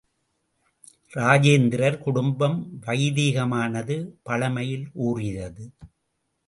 ராஜேந்திரர் குடும்பம் வைதிகமானது பழமையில் ஊறியது.